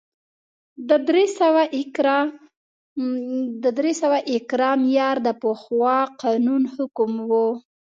د درې سوه ایکره معیار د پخوا قانون حکم و